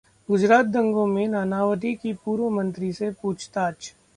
गुजरात दंगों में नानावती की पूर्व मंत्री से पूछताछ